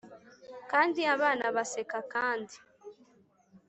kandi abana baseka kandi